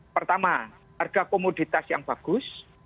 pertama harga komoditas yang bagus